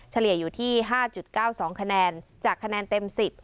เฉลี่ยอยู่ที่๕๙๒คะแนนจากคะแนนเต็ม๑๐